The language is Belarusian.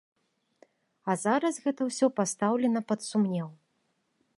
А зараз гэта ўсё пастаўлена пад сумнеў.